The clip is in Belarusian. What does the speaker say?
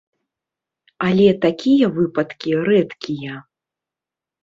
Але такія выпадкі рэдкія.